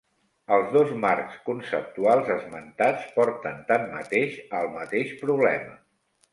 Els dos marcs conceptuals esmentats porten, tanmateix, al mateix problema.